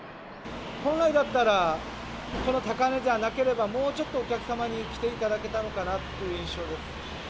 本来だったら、こんな高値でなければ、もうちょっとお客様に来ていただけたのかなという印象です。